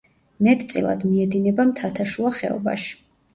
მეტწილად მიედინება მთათაშუა ხეობაში.